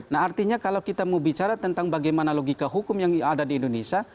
nah artinya kalau kita mau bicara tentang bagaimana logika hukum yang ada di indonesia